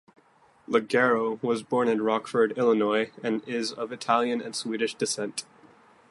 Leggero was born in Rockford, Illinois and is of Italian and Swedish descent.